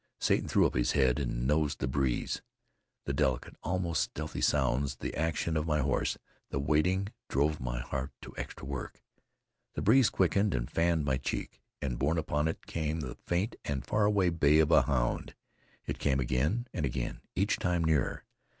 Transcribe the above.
Satan threw up his head and nosed the breeze. The delicate, almost stealthy sounds, the action of my horse, the waiting drove my heart to extra work. The breeze quickened and fanned my cheek, and borne upon it came the faint and far away bay of a hound. It came again and again, each time nearer.